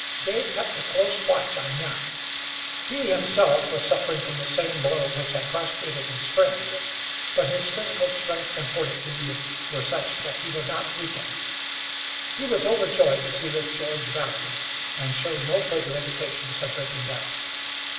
Dave kept a close watch on Young. He, himself, was suffering from the same blow which had prostrated his friend, but his physical strength and fortitude were such that he did not weaken. He was overjoyed to see that George rallied, and showed no further indications of breaking down.